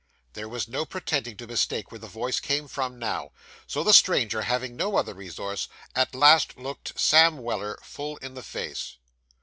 There was no pretending to mistake where the voice came from now, so the stranger, having no other resource, at last looked Sam Weller full in the face.